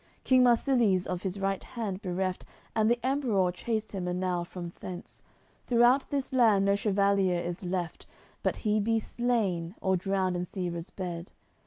King Marsilie's of his right hand bereft, And the Emperour chased him enow from thence. Throughout this land no chevalier is left, But he be slain, or drowned in Sebres bed.